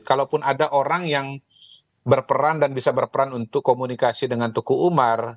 kalaupun ada orang yang berperan dan bisa berperan untuk komunikasi dengan tuku umar